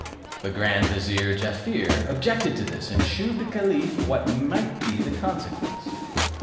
The grand vizier Jaaffier objected to this, and shewed the caliph what might be the consequence.